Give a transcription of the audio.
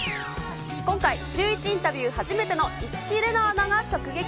今回、シューイチインタビュー初めての市來玲奈アナが直撃。